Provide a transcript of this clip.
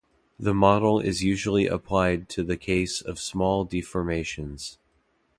The model is usually applied to the case of small deformations.